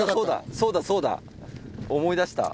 そうだそうだ。思い出した。